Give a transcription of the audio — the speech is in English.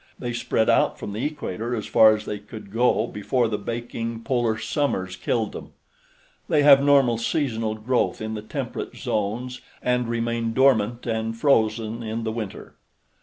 They spread out from the equator as far as they could go before the baking polar summers killed them. They have normal seasonal growth in the temperate zones and remain dormant and frozen in the winter.